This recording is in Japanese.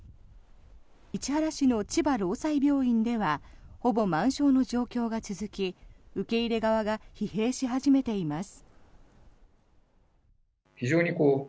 市原市の千葉ろうさい病院ではほぼ満床の状況が続き受け入れ側が疲弊し始めています。